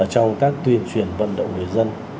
trong các tuyên truyền vận động người dân